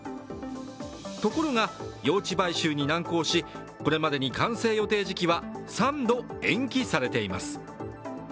ところが、用地買収に難航し、これまでに完成予定時期は３度延期されています。